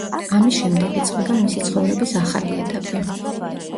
ამის შემდეგ იწყება მისი ცხოვრების ახალი ეტაპი.